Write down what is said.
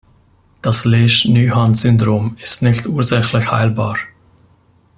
Das Lesch-Nyhan-Syndrom ist nicht ursächlich heilbar.